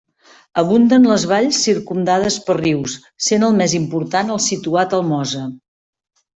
Abunden les valls circumdades per rius, sent el més important el situat al Mosa.